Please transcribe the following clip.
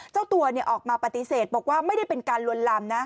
เจ้าตัวออกมาปฏิเสธบอกว่าไม่ได้เป็นการลวนลามนะ